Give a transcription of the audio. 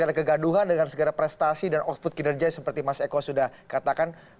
tapi ada yang mengatasi dan output kinerja seperti mas eko sudah katakan